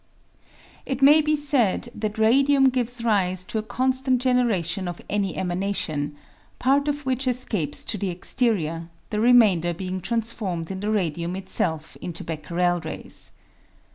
It may be said that radium gives rise to a constant generation of an emanation — part of which escapes to the exterior, the remainder being transformed in the radium itself into Becquerel rays.